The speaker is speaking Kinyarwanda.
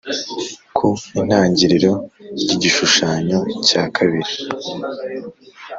ku itangiriro ry igishushanyo cya kabiri